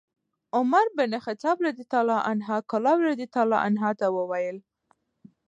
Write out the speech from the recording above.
عمر بن الخطاب رضي الله عنه کلاب رضي الله عنه ته وویل: